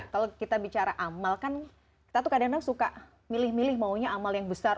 kalau kita bicara amal kan kita tuh kadang kadang suka milih milih maunya amal yang besar